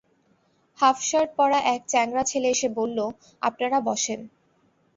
হাফশার্ট-পরা এক চ্যাংড়া ছেলে এসে বলল, আপনারা বসেন।